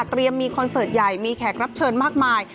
มีคอนเสิร์ตใหญ่มีแขกรับเชิญมากมาย